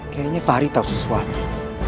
kayaknya fahri tau sesuatu